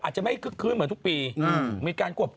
อาจจะไม่คืนเหมือนทุกปี